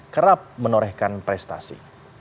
kerap menorehkan prestasi